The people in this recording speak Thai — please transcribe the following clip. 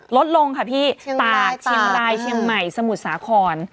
ลดลงค่ะพี่ตากเชียงรายเชียงใหม่สมุทรสาคร